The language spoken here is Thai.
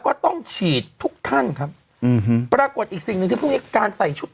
ก็ต้องฉีดทุกท่านครับอืมปรากฏอีกสิ่งหนึ่งที่พรุ่งนี้การใส่ชุด